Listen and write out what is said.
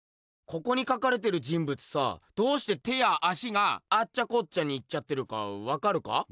ここにかかれてる人物さどうして手や足がアッチャコッチャにいっちゃってるかわかるか？